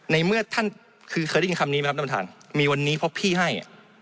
ในเมื่อท่านคือเคยได้ยินคำนี้ไหมครับท่านประธานมีวันนี้เพราะพี่ให้